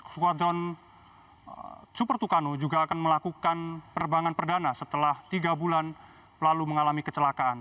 squadron super tucano juga akan melakukan perbangan perdana setelah tiga bulan lalu mengalami kecelakaan